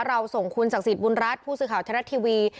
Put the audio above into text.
เราส่งคุณศักดิ์สิทธิบุญรัฐผู้สื่อข่าวชะลัดทีวี